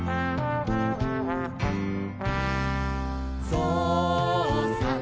「ぞうさん